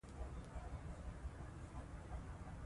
افغانستان ته مطبعه دهند د نیمي وچي په تناسب وروسته راغلې ده.